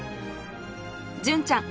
純ちゃん